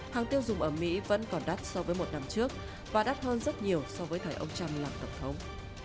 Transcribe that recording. hàng tiêu dùng ở mỹ vẫn còn đắt so với một năm trước và đắt hơn rất nhiều so với thời ông trump làm tổng thống